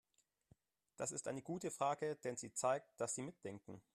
Das ist eine gute Frage, denn sie zeigt, dass Sie mitdenken.